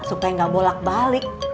supaya gak bolak balik